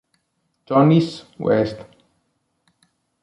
Johnny's West